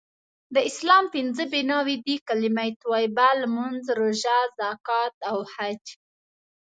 د اسلام پنځه بنأوي دي.کلمه طیبه.لمونځ.روژه.زکات.او حج